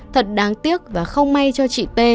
thật đáng tiếc và không may cho chị t